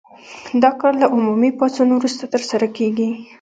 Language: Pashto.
دا کار له عمومي پاڅون وروسته ترسره کیږي.